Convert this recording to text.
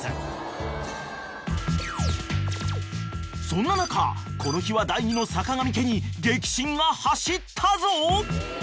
［そんな中この日は第２の坂上家に激震が走ったぞ！］